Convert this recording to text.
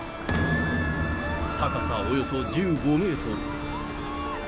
高さおよそ１５メートル。